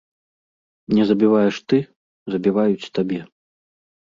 Не забіваеш ты, забіваюць табе.